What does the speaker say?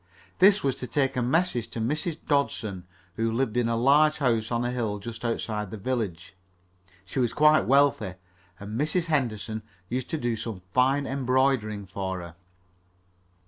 This was to take a message to Mrs. Dodson, who lived in a large house on a hill just outside the village. She was quite wealthy, and Mrs. Henderson used to do some fine embroidering for her.